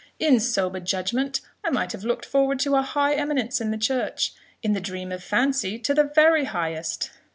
In sober judgment, I might have looked forward to high eminence in the church in the dream of fancy, to the very highest.